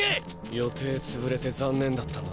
予定潰れて残念だったな。